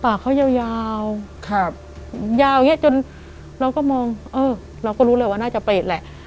ปากเขายาวยาวอย่างนี้จนเราก็มองเออเราก็รู้เลยว่าน่าจะเปรตแหละ